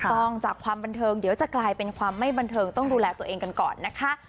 ต้องจากความบันเทิงเดี๋ยวจะกลายเป็นความไม่บันเทิงต้องดูแลตัวเองกันก่อนนะคะ